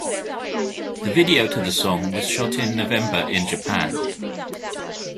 The video to the song was shot in November in Japan.